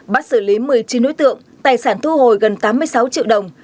bắt xử lý một mươi chín đối tượng tài sản thu hồi gần tám mươi sáu triệu đồng